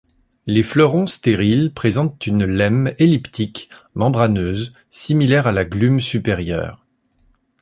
Les fleurons stériles présentent une lemme elliptique, membraneuse, similaire à la glume supérieure.